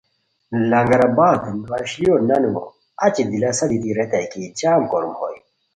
لنگر آباد وشلیو نانو اچی دلاسہ دیتی ریتائے کی جم کوروم ہوئے